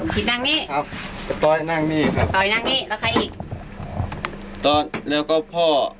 กัตต้อยแล้วก็พ่อ